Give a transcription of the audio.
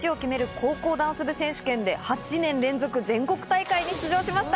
高校ダンス部選手権で８年連続全国大会に出場しました。